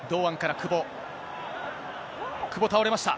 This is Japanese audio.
久保、倒れました。